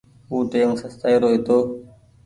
او ٽيم سستآئي رو هيتو۔